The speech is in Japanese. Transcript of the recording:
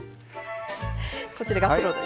こちらがプロです。